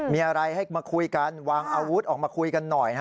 มีอะไรให้มาคุยกันวางอาวุธออกมาคุยกันหน่อย